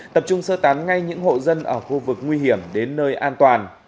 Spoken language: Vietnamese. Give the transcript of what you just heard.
tập trung sơ tán ngay những hộ dân ở khu vực nguy hiểm đến nơi an toàn